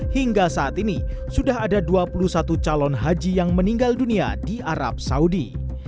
hingga saat ini sudah ada dua puluh satu calon haji yang meninggal dunia di arab saudi